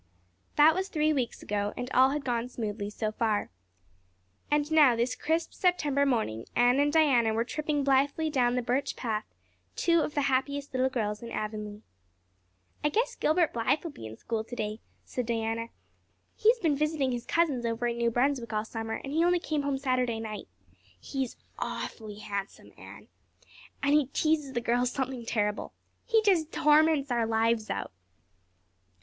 That was three weeks ago and all had gone smoothly so far. And now, this crisp September morning, Anne and Diana were tripping blithely down the Birch Path, two of the happiest little girls in Avonlea. "I guess Gilbert Blythe will be in school today," said Diana. "He's been visiting his cousins over in New Brunswick all summer and he only came home Saturday night. He's aw'fly handsome, Anne. And he teases the girls something terrible. He just torments our lives out."